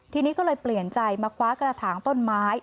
ทีนี้ก็เลยเปลี่ยนใจมาคว้ากระถางต้นไม้